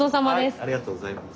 ありがとうございます。